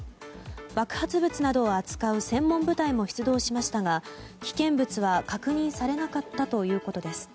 爆発物などを扱う専門部隊も出動しましたが危険物は確認されなかったということです。